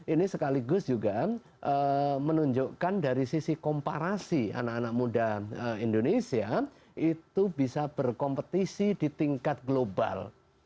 ini sekaligus juga menunjukkan dari sisi komparasi anak anak muda indonesia itu bisa berkompetisi di tingkat global